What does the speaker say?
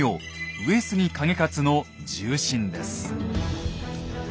上杉景勝の重臣です。